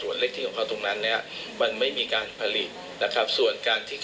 ส่วนการที่เขาจะเอาตรงนี้๒๐๐บาทรายการไปให้ใครผลิตไปจ้างใครผลิตตรงนี้